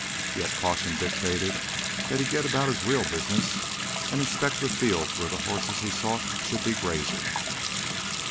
Yet caution dictated that he get about his real business and inspect the fields where the horses he sought should be grazing.